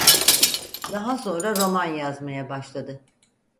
Daha sonra roman yazmaya başladı.